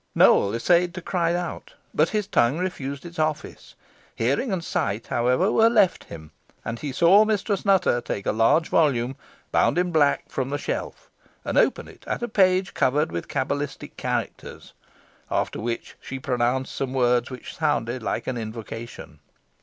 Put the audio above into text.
Nowell essayed to cry out, but his tongue refused its office. Hearing and sight, however, were left him, and he saw Mistress Nutter take a large volume, bound in black, from the shelf, and open it at a page covered with cabalistic characters, after which she pronounced some words that sounded like an invocation.